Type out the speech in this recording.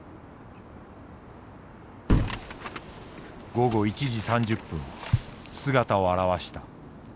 午後１時３０分姿を現した。